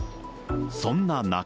そんな中。